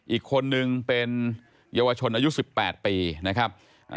อีกคนนึงเป็นเยาวชนอายุ๑๘ปีนะครับ